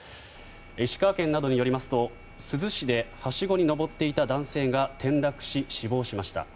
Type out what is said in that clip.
石川県などによりますと珠洲市ではしごに上っていた男性が転落し、死亡しました。